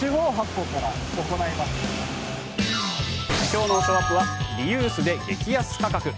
今日のショーアップはリユースで激安価格。